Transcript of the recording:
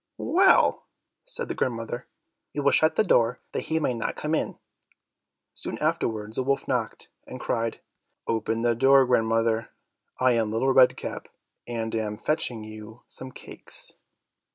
"Well," said the grandmother, "we will shut the door, that he may not come in." Soon afterwards the wolf knocked, and cried, "Open the door, grandmother, I am little Red Cap, and am fetching you some cakes."